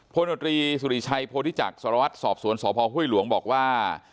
โพนตรีสุริชัยโพธิจักรสวรรค์สอบสวนสพฮหลวงบอกว่า